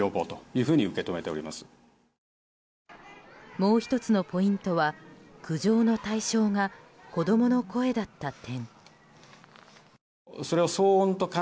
もう１つのポイントは苦情の対象が子供の声だった点。